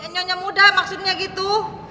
nyonya muda maksudnya gitu